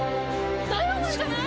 ダイワマンじゃない？